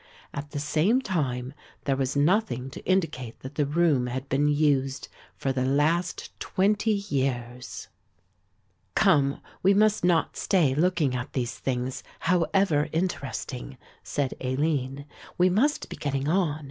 At the same time there was nothing to indicate that the room had been used for the last twenty years. "Come, we must not stay looking at these things, however interesting," said Aline; "we must be getting on.